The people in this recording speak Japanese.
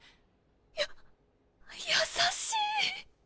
や優しい。